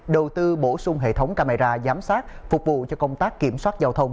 đầu tư bổ sung hệ thống camera giám sát phục vụ cho công tác kiểm soát giao thông